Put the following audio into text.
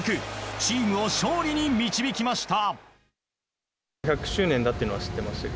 チームを勝利に導きました。